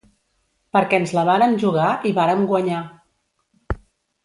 Perquè ens la vàrem jugar i vàrem guanyar.